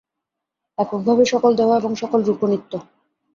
একভাবে সকলদেহ এবং সকলরূপও নিত্য।